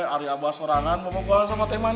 ari abah sorangan mau bukuhan sama teh manis